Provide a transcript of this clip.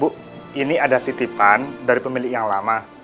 bu ini ada titipan dari pemilik yang lama